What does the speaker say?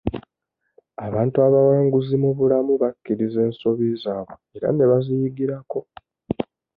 Abantu abawanguzi mu bulamu bakkiriza ensobi zaabwe era ne baziyigirako.